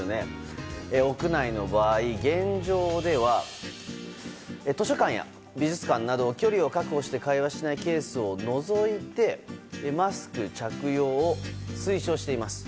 屋内の場合、現状では図書館や美術館など距離を確保して会話しないケースを除いてマスク着用を推奨しています。